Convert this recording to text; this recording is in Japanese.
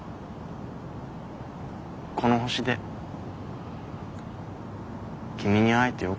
この星で君に会えてよかった。